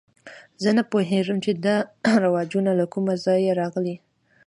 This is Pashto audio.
زه نه پوهېږم چې دا رواجونه له کومه ځایه راغلي.